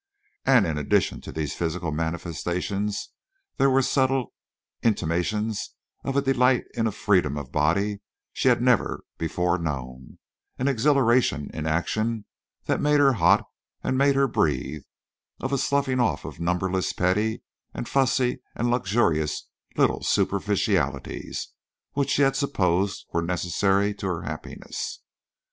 And in addition to these physical manifestations there were subtle intimations of a delight in a freedom of body she had never before known, of an exhilaration in action that made her hot and made her breathe, of a sloughing off of numberless petty and fussy and luxurious little superficialities which she had supposed were necessary to her happiness.